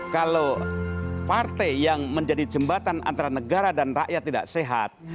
kalau partai yang menjadi jembatan antara negara dan rakyat tidak sehat